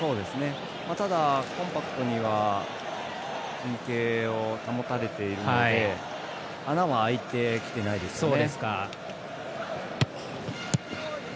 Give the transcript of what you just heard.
ただ、コンパクトには陣形は保たれているので穴は開いてきてないですよね。